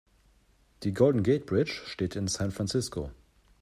Die Golden Gate Bridge steht in San Francisco.